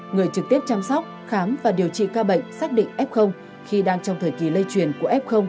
người trực tiếp chăm sóc khám và điều trị ca bệnh xác định f khi đang trong thời kỳ lây truyền của f